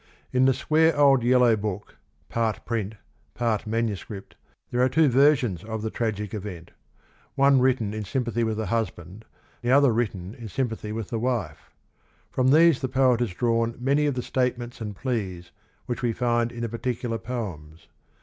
In "the square old yellow book, part print, part manuscript," there are two versions of the tragic event: one written in sympathy with the husband, the other written in sympathy with the wife. From these the poet has drawn many of the statements and pleas which we find in the particular poems.